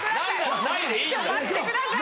待ってください。